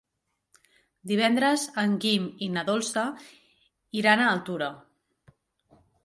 Divendres en Guim i na Dolça iran a Altura.